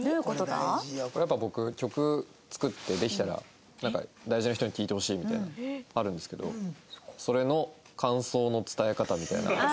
これやっぱ僕曲作ってできたら大事な人に聴いてほしいみたいなあるんですけどそれの感想の伝え方みたいな。